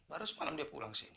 baru semalam dia pulang sini